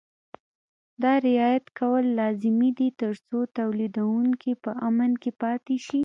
دا رعایت کول لازمي دي ترڅو تولیدوونکي په امن کې پاتې شي.